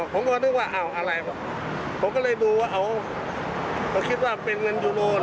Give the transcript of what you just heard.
ผมก็นึกว่าอ๋ออะไรผมก็เลยดูว่าอ๋อเขาคิดว่าเป็นเงินยูโรเลย